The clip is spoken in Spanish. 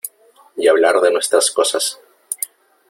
y hablar de nuestras cosas .